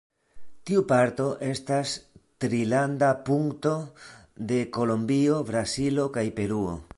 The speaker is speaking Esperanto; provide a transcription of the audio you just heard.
Tiu parto estas Trilanda punkto de Kolombio, Brazilo kaj Peruo.